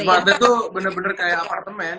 wisma atlet tuh bener bener kayak apartemen